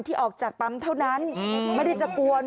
ออกจากปั๊มเท่านั้นไม่ได้จะกวน